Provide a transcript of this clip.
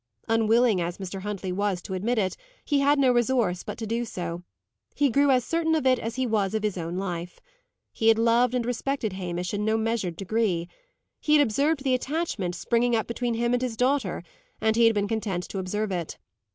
Unwilling as Mr. Huntley was to admit it, he had no resource but to do so. He grew as certain of it as he was of his own life. He had loved and respected Hamish in no measured degree. He had observed the attachment springing up between him and his daughter, and he had been content to observe it.